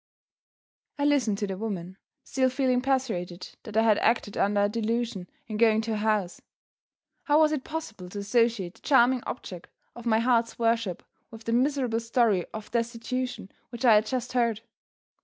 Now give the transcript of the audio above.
I listened to the woman, still feeling persuaded that I had acted under a delusion in going to her house. How was it possible to associate the charming object of my heart's worship with the miserable story of destitution which I had just heard?